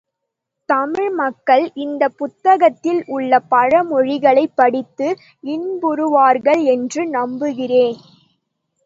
தமிழ் மக்கள் இந்தப் புத்தகத்தில் உள்ள பழமொழிகளைப் படித்து இன்புறுவார்கள் என்று நம்புகிறேன்.